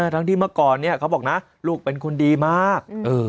ทั้งที่เมื่อก่อนเขาบอกนะลูกเป็นคนดีมาก